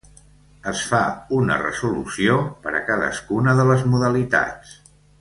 Es fa una resolució per a cadascuna de les modalitats.